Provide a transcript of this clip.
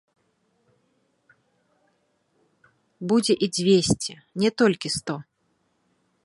Будзе і дзвесце, не толькі сто!